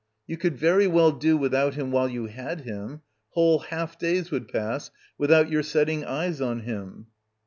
] You could very well do without him while you had him. \' Whole half days would pass without your setting eyes on him.